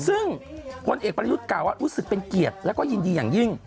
ซึ่งพลเอกประยุทธ์กล่าวว่ารู้สึกเป็นเกียรติแล้วก็ยินดีอย่างยิ่ง